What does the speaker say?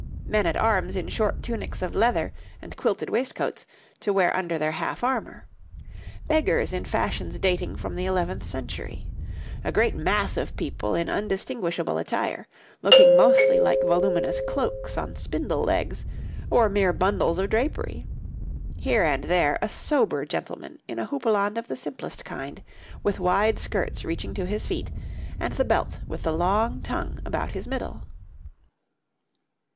Men at arms in short tunics of leather and quilted waistcoats to wear under their half armour; beggars in fashions dating from the eleventh century; a great mass of people in undistinguishable attire, looking mostly like voluminous cloaks on spindle legs, or mere bundles of drapery; here and there a sober gentleman in a houppelande of the simplest kind, with wide skirts reaching to his feet, and the belt with the long tongue about his middle.